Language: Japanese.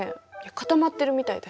固まってるみたいだし。